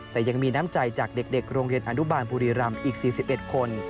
แต่ยังมีน้ำใจจากเด็กโรงเรียนอนุบาลบุรีรำอีก๔๑คน